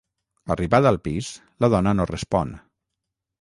Arribat al pis, la dona no respon.